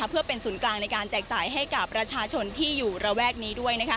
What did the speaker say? เพื่อเป็นศูนย์กลางในการแจกจ่ายให้กับประชาชนที่อยู่ระแวกนี้ด้วย